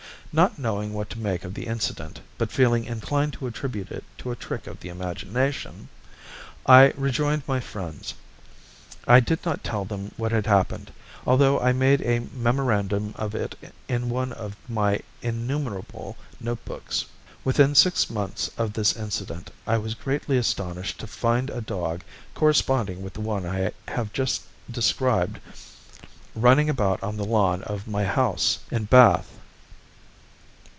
Not knowing what to make of the incident, but feeling inclined to attribute it to a trick of the imagination, I rejoined my friends. I did not tell them what had happened, although I made a memorandum of it in one of my innumerable notebooks. Within six months of this incident I was greatly astonished to find a dog, corresponding with the one I have just described, running about on the lawn of my house in Bath.